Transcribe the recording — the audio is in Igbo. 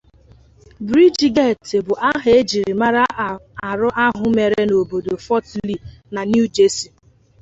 Brijigeti bụ aha E jiri mara arụ ahụ mere n’obodo Fort Lee na New Jersey